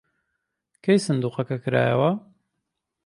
کەی سندووقەکە کرایەوە؟